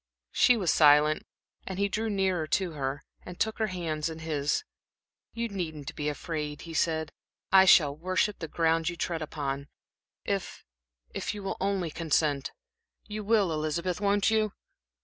She was silent, and he drew nearer to her and took her hands in his. "You needn't be afraid," he said. "I shall worship the ground you tread upon, if if you will only consent. You will, Elizabeth, won't you?"